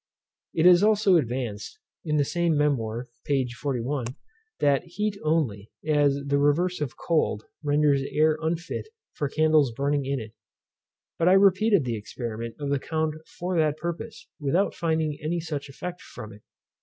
It is also advanced, in the same Memoir, p. 41. that heat only, as the reverse of cold, renders air unfit for candles burning in it. But I repeated the experiment of the Count for that purpose, without finding any such effect from it.